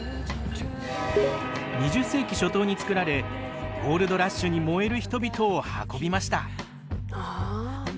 ２０世紀初頭に造られゴールドラッシュに燃える人々を運びました。